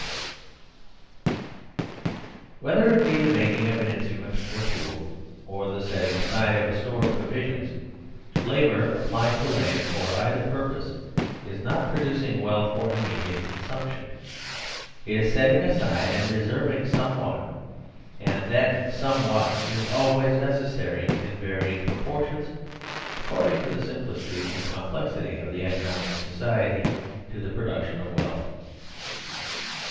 12 DEFINITIONS Whether it be the making of an instrument or tool, or the setting aside of a store of provisions, labour applied to land for either purpose is not producing wealth for immediate consumption. It is setting aside and reserving somewhat, and that somewhat is always necessary in varying proportions according to the simplicity or complexity of the economic society to the production of wealth.